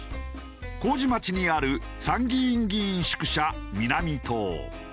麹町にある参議院議員宿舎・南棟。